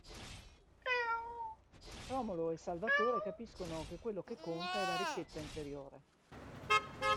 Romolo e Salvatore capiscono che quello che conta è la ricchezza interiore.